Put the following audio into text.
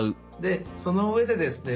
その上でですね